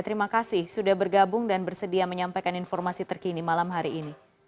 terima kasih sudah bergabung dan bersedia menyampaikan informasi terkini malam hari ini